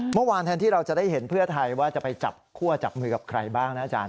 แทนที่เราจะได้เห็นเพื่อไทยว่าจะไปจับคั่วจับมือกับใครบ้างนะอาจารย